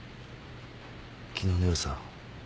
昨日の夜さ